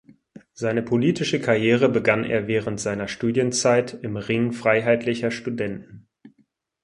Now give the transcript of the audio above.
Seine politische Karriere begann er während seiner Studienzeit im Ring Freiheitlicher Studenten.